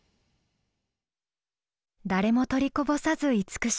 誰も取りこぼさず慈しむ。